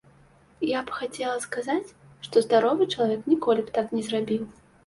Я б хацела сказаць, што здаровы чалавек ніколі б так не зрабіў.